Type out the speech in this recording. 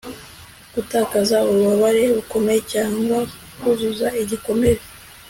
gutakaza ububabare bukomeye cyangwa kuzuza igikomere